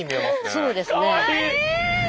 そうですね。